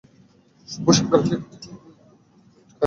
শুভ সকাল, captain Whitaker.